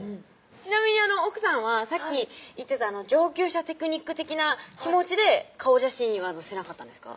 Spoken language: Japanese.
ちなみに奥さんはさっき言ってた上級者テクニック的な気持ちで顔写真は載せなかったんですか？